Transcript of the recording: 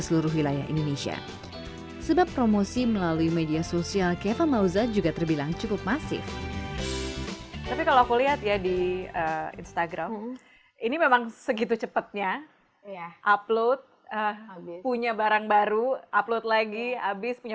karena gini prinsipnya kalau misalnya aku stuck dengan satu desain misalnya